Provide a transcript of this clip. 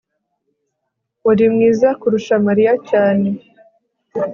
uri mwiza kurusha mariya cyane